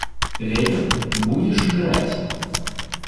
Левин, будешь играть?